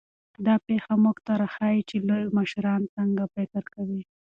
دا پېښه موږ ته راښيي چې لوی مشران څنګه فکر کوي.